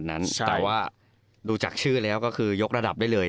แต่คือดูจากชื่อยกระดับได้เลย